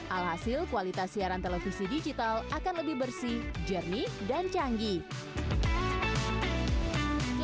alhasil kualitas siaran televisi digital akan lebih bersih jernih dan canggih